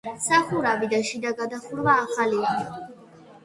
სახურავი და შიდა გადახურვა ახალია.